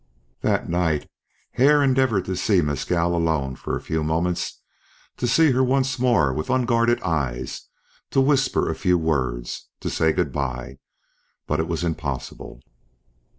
That night Hare endeavored to see Mescal alone for a few moments, to see her once more with unguarded eyes, to whisper a few words, to say good bye; but it was impossible.